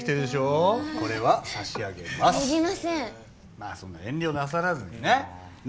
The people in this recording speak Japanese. まあそんな遠慮なさらずにね。